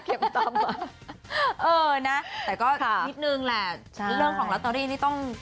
เออนะแต่ก็นิดนึงแหละเรื่องของลอตเตอรี่นี่ต้อง